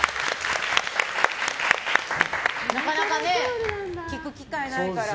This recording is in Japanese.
なかなか聴く機会ないから。